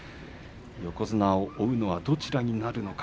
横綱を追うのはどちらになるのか。